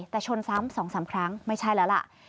แต่ชนซ้ำ๒๓ครั้งไม่ใช่แล้วล่ะ